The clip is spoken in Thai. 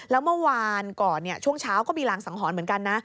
แล้วเมื่อวานก่อนช่วงเช้าก็มีรางสังหรณ์เหมือนกันนะ